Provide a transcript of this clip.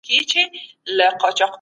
هنري تخیل داستان ته روح بښي.